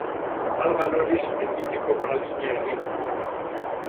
Alga noriz eginiko pralina egin.